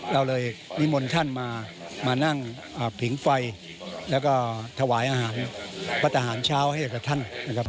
เราเลยนิมนต์ท่านมามานั่งผิงไฟแล้วก็ถวายอาหารพระทหารเช้าให้กับท่านนะครับ